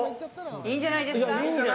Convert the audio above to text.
いいんじゃないですか？